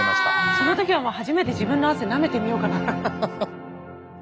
その時はもう初めて自分の汗なめてみようかな。